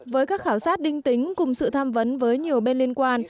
với các khảo sát đinh tính cùng sự tham vấn với nhiều bên liên quan